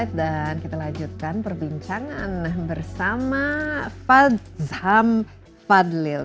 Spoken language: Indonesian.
kembali dalam insight dan kita lanjutkan perbincangan bersama fasham falil